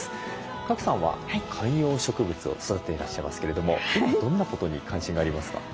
賀来さんは観葉植物を育てていらっしゃいますけれどもどんなことに関心がありますか？